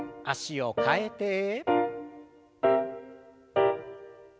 脚を替えて。